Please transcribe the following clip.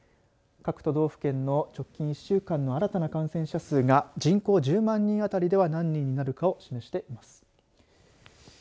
各都道府県の直近１週間の新たな感染者数が人口１０万人当たりでは何人になるかを示しています。